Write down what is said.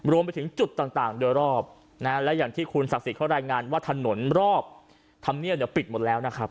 รวมไปถึงจุดต่างโดยรอบและอย่างที่คุณศักดิ์สิทธิ์รายงานว่าถนนรอบธรรมเนียบปิดหมดแล้วนะครับ